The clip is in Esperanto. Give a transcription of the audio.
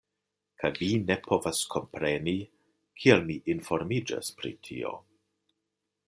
Kaj vi ne povas kompreni, kial mi informiĝas pri tio.